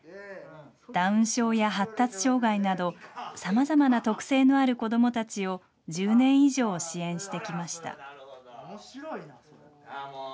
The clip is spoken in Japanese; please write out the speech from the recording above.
ダウン症や発達障害など、さまざまな特性のある子どもたちを１０年以上支援してきました。